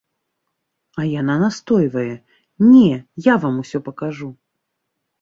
А яна настойвае, не, я вам усё пакажу.